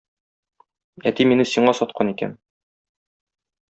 Әти мине сиңа саткан икән.